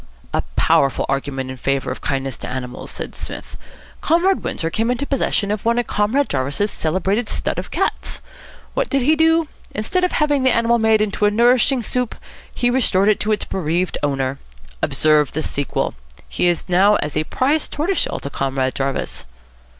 "A powerful argument in favour of kindness to animals!" said Psmith. "Comrade Windsor came into possession of one of Comrade Jarvis's celebrated stud of cats. What did he do? Instead of having the animal made into a nourishing soup, he restored it to its bereaved owner. Observe the sequel. He is now as a prize tortoiseshell to Comrade Jarvis."